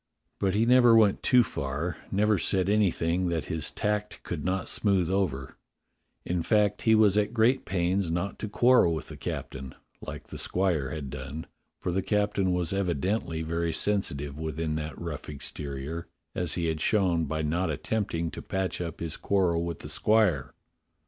But he never went too far, never said anything that his tact could not smooth over; in fact, he was at great pains not to quarrel with the captain, like the squire had done, for the captain was evidently very sensitive within that rough exterior, as he had shown by not attempting to patch up his quarrel with the squire.